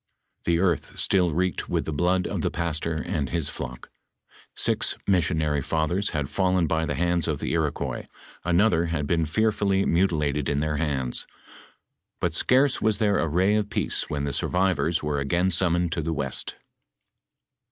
The earth still reeked with the blood of tho pastor and his flock; six missionary fathers had fallen by the hands of the Iroquois, another had been fearfully mntil ated in their hands. But scarce was there a ray of peace when the survivors, were again summoned to the west.